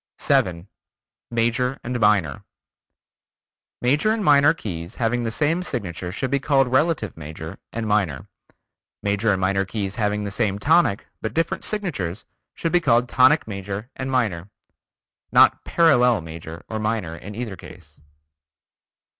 7. Major; Minor: Major and Minor keys having the same signature should be called relative major and minor. Major and minor keys having the same tonic, but different signatures, should be called tonic major and minor. Not "parallel" major or minor in either case.